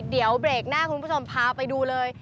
เดี๋ยวเบรกหน้าคุณผู้ชมพาไปดูเลย